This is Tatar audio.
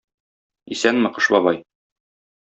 Исәнме, Кыш бабай!